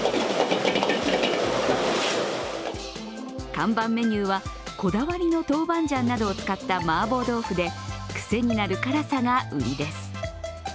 看板メニューは、こだわりのトウバンジャンなどを使った麻婆豆腐で癖になる辛さが売りです。